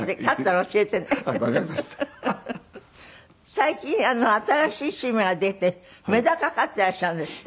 最近新しい趣味ができてメダカ飼っていらっしゃるんですって？